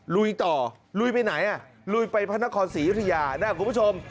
ลุยต่อลุยไปไหนอ่ะลุยไปพระนครศรียุธยานะคุณผู้ชม